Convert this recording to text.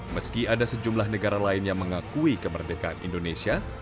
meski ada sejumlah negara lain yang mengakui kemerdekaan indonesia